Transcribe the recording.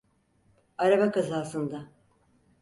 Araba kazasında.